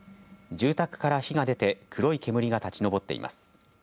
住宅から火が出て黒い煙が立ち上っています。